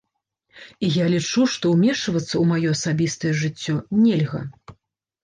І я лічу, што ўмешвацца ў маё асабістае жыццё нельга.